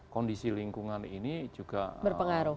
kondisi lingkungan ini juga berpengaruh